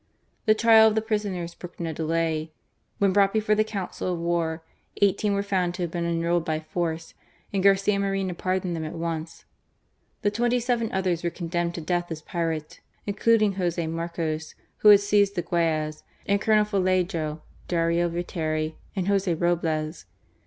The trial of the prisoners brooked no delay; when brought before the Council of War, eighteen were found to have been enrolled by force, and Garcia Moreno pardoned them at once; the twenty seven others were condemned to death as pirates, including Jose Marcos, who had seized the Guayas^ and Colonel Vallejo, Dario Viteri, and Jose Roblez.